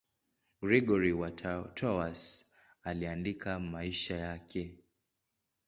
Gregori wa Tours aliandika maisha yake.